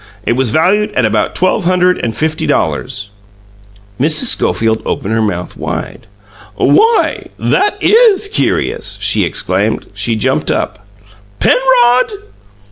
It was valued at about twelve hundred and fifty dollars." Mrs. Schofield opened her mouth wide. "Why, that IS curious!" she exclaimed. She jumped up. "Penrod!"